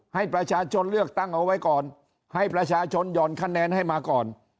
ให้ประชาชนเลือกตั้งเอาไว้ก่อนให้ประชาชนหย่อนคะแนนให้มาก่อน